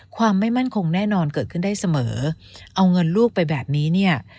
ความไม่มั่นคงแน่นอนเกิดขึ้นได้เสมอเอาเงินลูกไปแบบนี้เนี่ย